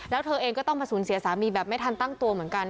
แล้วเธอเองก็ต้องมาสูญเสียสามีแบบไม่ทันตั้งตัวเหมือนกัน